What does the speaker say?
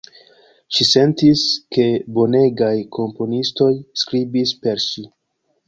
Ŝi sentis, ke bonegaj komponistoj skribis per ŝi.